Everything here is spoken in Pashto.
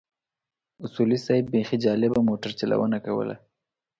اصولي صیب بيخي جالبه موټر چلونه کوله.